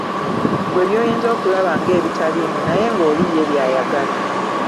Ggwe by'oyinza okulaba ng'ebitaliimu naye ng'oli ye by'ayagala.